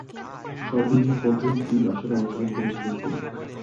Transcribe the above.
সবমিলিয়ে প্রথম তিন আসরে অংশ নিয়েছিলেন তিনি।